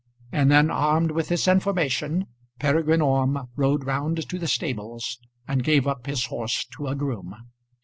And then, armed with this information, Peregrine Orme rode round to the stables, and gave up his horse to a groom.